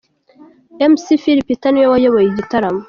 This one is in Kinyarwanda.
Mc Phil Peter niwe wayoboye igitaramo.